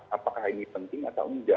apakah ini penting atau enggak